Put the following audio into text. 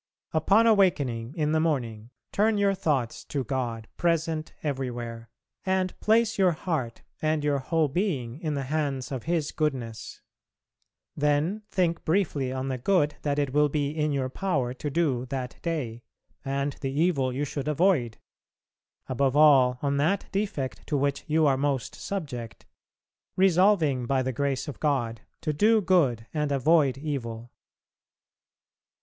Upon awakening in the morning, turn your thoughts to God present everywhere, and place your heart and your whole being in the hands of His goodness. Then think briefly on the good that it will be in your power to do that day, and the evil you should avoid, above all on that defect to which you are most subject, resolving by the grace of God to do good and avoid evil.